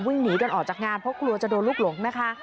วิ่งหนีกันออกจากงานเพราะกลัวจะโดนลูกหลงนะคะ